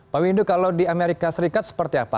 pak windu kalau di amerika serikat seperti apa